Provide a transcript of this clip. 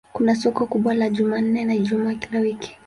Kuna soko kubwa la Jumanne na Ijumaa kila wiki.